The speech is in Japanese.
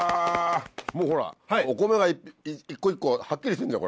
もうほらお米が一個一個はっきりしてんじゃん。